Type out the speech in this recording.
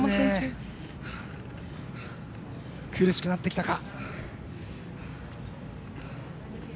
苦しくなってきたか。